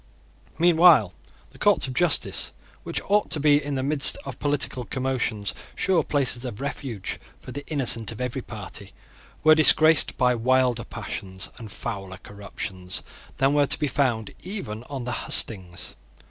Meanwhile the courts of justice, which ought to be, in the midst of political commotions, sure places of refuge for the innocent of every party, were disgraced by wilder passions and fouler corruptions than were to be found even on the hustings.